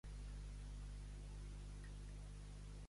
Cada home és un misteri.